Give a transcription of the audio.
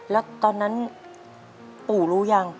แล้วตอนนั้นปู่รู้ยัง